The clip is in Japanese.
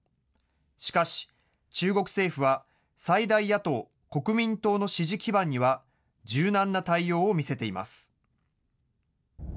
しかし、中国政府は最大野党・国民党の支持基盤には柔軟な対応を見せています。